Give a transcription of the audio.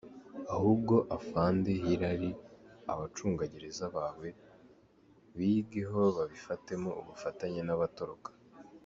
Ahubwo Afande Hirary abacunga gereza bawe bigeho kuko babifitemo ubufatanye nabatoroka.